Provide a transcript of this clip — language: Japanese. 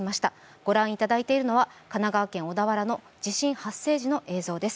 御覧いただいているのは神奈川県小田原の地震発生時の映像です。